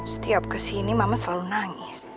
setiap kesini mama selalu nangis